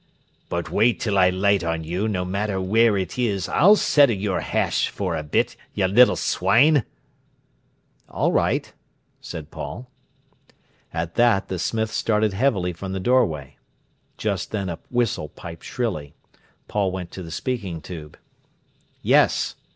"But wait till I light on you, no matter where it is, I'll settle your hash for a bit, yer little swine!" "All right," said Paul. At that the smith started heavily from the doorway. Just then a whistle piped shrilly. Paul went to the speaking tube. "Yes!"